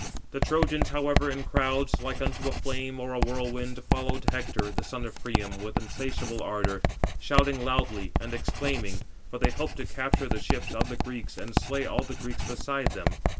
The Trojans, however, in crowds, like unto a flame or a whirlwind, followed Hector, the son of Priam, with insatiable ardour, shouting loudly, and exclaiming; for they hoped to capture the ships of the Greeks, and slay all the Greeks beside them.